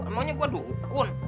emangnya gua dukun